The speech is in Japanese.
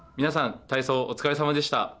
皆さん、体操お疲れさまでした。